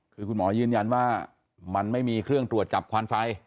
คือคุณหมอยืนยันว่ามันไม่มีเครื่องตรวจจับควันไฟ